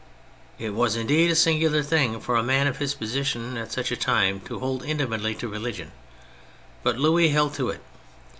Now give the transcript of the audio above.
It was, indeed, a singular thing for a man of his position at such a time to hold inti mately to religion, but Louis held to it.